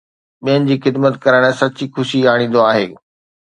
ٻين جي خدمت ڪرڻ سچي خوشي آڻيندو آهي